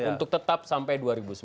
untuk tetap sampai dua ribu sembilan belas